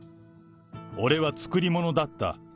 俺は作り物だった。